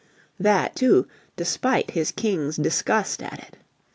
That, too, despite his king's disgust at it.